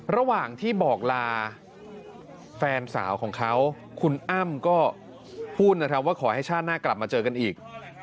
ระหว่างที่บอกลาแฟนสาวของเขาคุณอ้ำก็พูดนะครับว่าขอให้ชาติหน้ากลับมาเจอกันอีก